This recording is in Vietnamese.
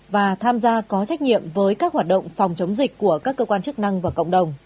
và tham gia có trách nhiệm với các hoạt động phòng chống dịch của các cơ quan chức năng và cộng đồng